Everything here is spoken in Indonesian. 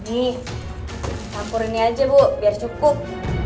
ini campur ini saja bu biar cukup